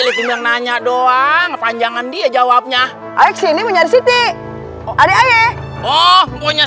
lipin yang nanya doang panjangan dia jawabnya ayah kesini mau nyari siti adik ayah oh pokoknya